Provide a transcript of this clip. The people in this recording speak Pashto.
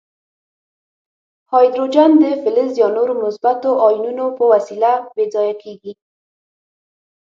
هایدروجن د فلز یا نورو مثبتو آیونونو په وسیله بې ځایه کیږي.